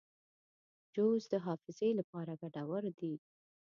جوز د حافظې لپاره ګټور دي.